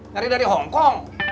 nyari dari hongkong